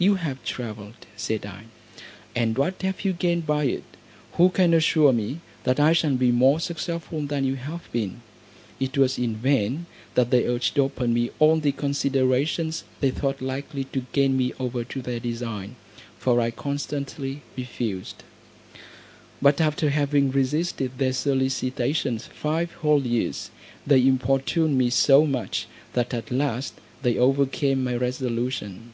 "You have travelled," said I, "and what have you gained by it? Who can assure me, that I shall be more successful than you have been?" It was in vain that they urged open me all the considerations they thought likely to gain me over to their design, for I constantly refused; but after having resisted their solicitations five whole years, they importuned me so much, that at last they overcame my resolution.